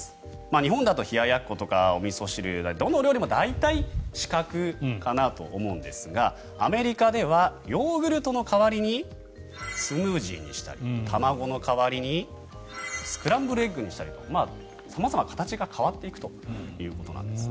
日本だと冷ややっことかおみそ汁だとか、どの料理も大体四角かなと思うんですがアメリカではヨーグルトの代わりにスムージーにしたり卵の代わりにスクランブルエッグにしたりと形が変わっていくということです。